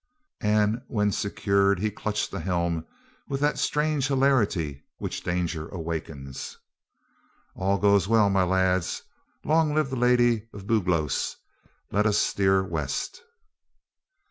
And when secured he clutched the helm with that strange hilarity which danger awakens. "All goes well, my lads. Long live our Lady of Buglose! Let us steer west."